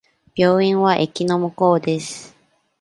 病院は駅の向こうです。